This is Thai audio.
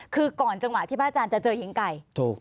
คือก่อนจังหวะที่พระอาจารย์จะเจอหญิงไก่